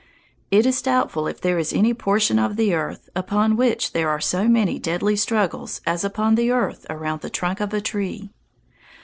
It is doubtful if there is any portion of the earth upon which there are so many deadly struggles as upon the earth around the trunk of a tree.